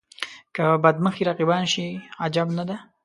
که بد مخي رقیبان شي عجب نه دی.